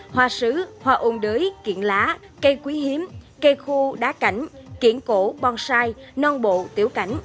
hoa sứ hoa ôn đới kiện lá cây quý hiếm cây khô đá cảnh kiện cổ bonsai non bộ tiểu cảnh